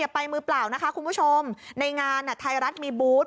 ไปมือเปล่านะคะคุณผู้ชมในงานไทยรัฐมีบูธ